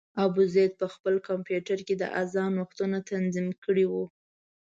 ابوزید په خپل کمپیوټر کې د اذان وختونه تنظیم کړي وو.